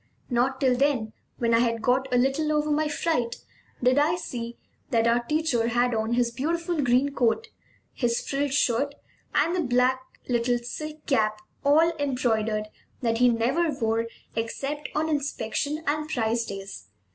Not till then, when I had got a little over my fright, did I see that our teacher had on his beautiful green coat, his frilled shirt, and the little black silk cap, all embroidered, that he never wore except on inspection and prize days.